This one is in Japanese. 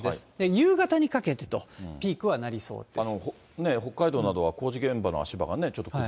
夕方にかけてとピークはなりそうです。